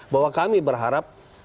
bahwa kami berharap